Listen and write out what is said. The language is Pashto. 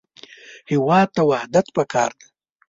هېواد ته وحدت پکار دی